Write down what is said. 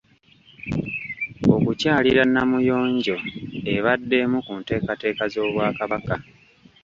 Okukyalira Namuyonjo ebadde emu ku nteekateeka z’Obwakabaka.